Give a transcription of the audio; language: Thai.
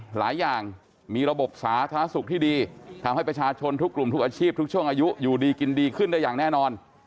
หลายอย่างมีระบบสาธารณสุขที่ดีทำให้ประชาชนทุกกลุ่มทุกอาชีพทุกช่วงอายุอยู่ดีกินดีขึ้นได้อย่างแน่นอน